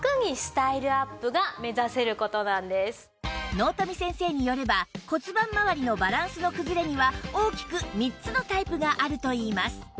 納富先生によれば骨盤まわりのバランスの崩れには大きく３つのタイプがあるといいます